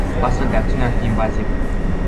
O astfel de acțiune ar fi invazivă.